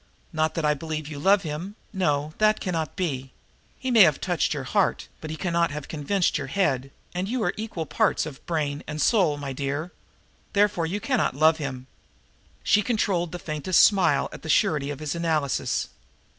Not that I believe you love him no, that cannot be. He may have touched your heart, but he cannot have convinced your head, and you are equal parts of brain and soul, my dear. Therefore you cannot love him." She controlled the faintest of smiles at the surety of his analysis.